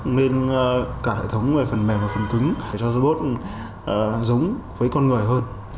nâng cấp lên cả hệ thống về phần mềm và phần cứng để cho robot giống với con người hơn